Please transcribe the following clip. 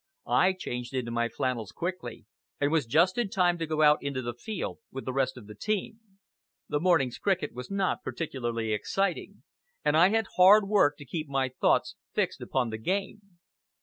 I changed into my flannels quickly, and was just in time to go out into the field with the rest of the team. The morning's cricket was not particularly exciting, and I had hard work to keep my thoughts fixed upon the game.